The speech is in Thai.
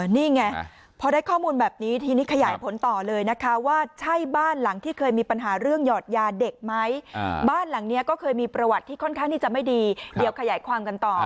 นี่ไงพอได้ข้อมูลแบบนี้ทีนี้ขยายผลต่อเลยนะคะว่าใช่บ้านหลังที่เคยมีปัญหาเรื่องหยอดยาเด็กไหมบ้านหลังนี้ก็เคยมีประวัติที่ค่อนข้างที่จะไม่ดีเดี๋ยวขยายความกันต่อ